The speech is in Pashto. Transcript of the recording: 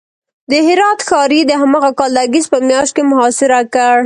د هرات ښار یې د هماغه کال د اګست په میاشت کې محاصره کړ.